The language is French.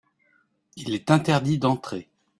Il est interdit d’entrer.